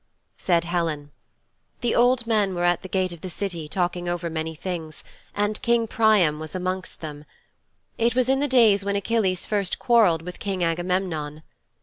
Said Helen, 'The old men were at the gate of the City talking over many things, and King Priam was amongst them. It was in the days when Achilles first quarrelled with King Agamemnon.